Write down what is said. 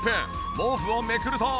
毛布をめくると。